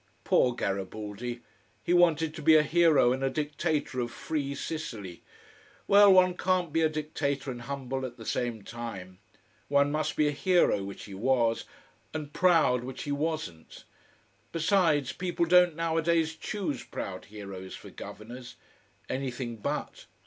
Poor Garibaldi! He wanted to be a hero and a dictator of free Sicily. Well, one can't be a dictator and humble at the same time. One must be a hero, which he was, and proud, which he wasn't. Besides people don't nowadays choose proud heroes for governors. Anything but.